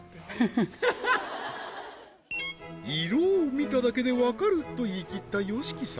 ふふっ色を見ただけでわかると言いきったＹＯＳＨＩＫＩ様